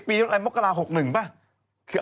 ปีอะไรมกราศาสตร์๖๑ป่ะ